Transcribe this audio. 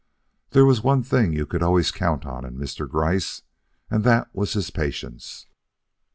There was one thing you could always count on in Mr. Gryce, and that was his patience.